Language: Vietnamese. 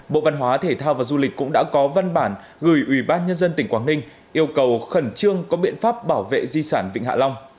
bộ văn hóa thể thao và du lịch cũng đã có văn bản gửi ủy ban nhân dân tỉnh quảng ninh yêu cầu khẩn trương có biện pháp bảo vệ di sản vịnh hạ long